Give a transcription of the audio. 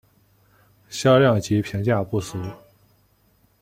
销量及评价不俗。